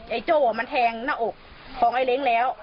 โจ้มันแทงหน้าอกของไอ้เล้งแล้ว